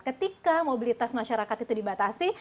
ketika mobilitas masyarakat itu dibatasi